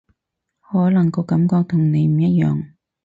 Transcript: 可能個感覺同你唔一樣